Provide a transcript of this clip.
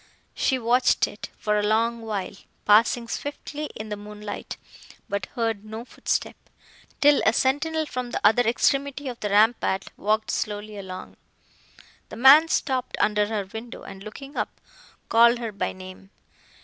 She watched it, for a long while, passing swiftly in the moonlight, but heard no footstep, till a sentinel from the other extremity of the rampart walked slowly along. The man stopped under her window, and, looking up, called her by name.